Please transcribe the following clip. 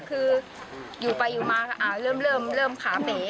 คืออยู่ไปอยู่มาเริ่มขาเป๋